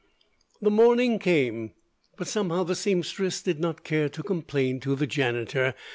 The morning came, but somehow the seamstress did not care to complain to the janitor.